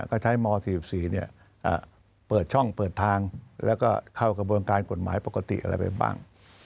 ก็ใช้ม๔๔เปิดช่องเปิดทางแล้วก็เข้ากระบวนการกฎหมายปกติอะไรไปบ้าง